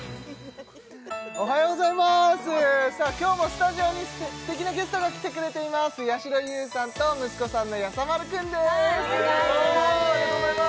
おはようございますさあ今日もスタジオにすてきなゲストが来てくれていますやしろ優さんと息子さんのやさ丸くんですはいお願いします